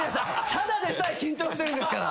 ただでさえ緊張してるんですから。